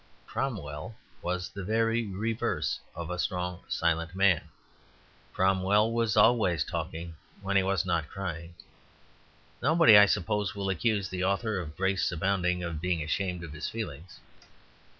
Cromwell was the very reverse of a strong, silent man. Cromwell was always talking, when he was not crying. Nobody, I suppose, will accuse the author of "Grace Abounding" of being ashamed of his feelings.